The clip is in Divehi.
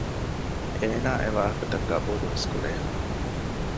އޭނާ އެވާހަކަތައް ޤަބޫލުވެސް ކުރޭ